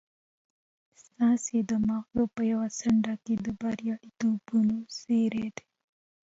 ستاسې د ماغزو په يوه څنډه کې د برياليتوبونو زړي دي.